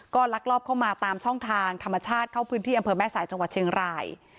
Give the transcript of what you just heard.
ก็ลักลอบเข้ามาตามช่องทางธรรมชาติเข้าพื้นที่อำเภอแม่สายจังหวัดเชียงราย